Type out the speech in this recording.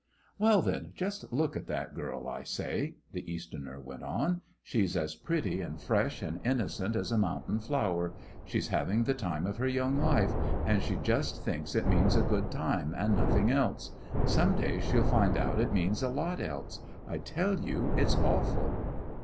"Well, then, just look at that girl, I say," the Easterner went on. "She's as pretty and fresh and innocent as a mountain flower. She's having the time of her young life, and she just thinks it means a good time and nothing else. Some day she'll find out it means a lot else. I tell you, it's awful!"